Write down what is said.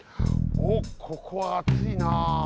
おっここはあついな。